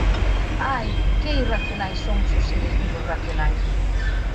Ai... Que irracionais somos os seres vivos racionais!